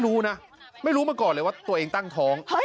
หรอไม่รู้ตัวว่าตัวเองตั้งท้อง